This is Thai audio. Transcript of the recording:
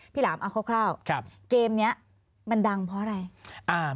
หลามเอาคร่าวเกมนี้มันดังเพราะอะไร